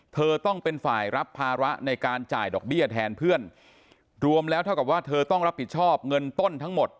เธอต้องเป็นฝ่ายรับภาระในการจ่ายดอกเบี้ยแทนเพื่อนรวมแล้วเท่ากับว่าเธอต้องรับผิดชอบเงินต้นทั้งหมด